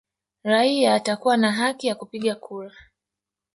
Raia atakuwa na haki ya kupiga kura